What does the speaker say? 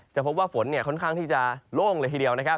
พบว่าฝนค่อนข้างที่จะโล่งเลยทีเดียวนะครับ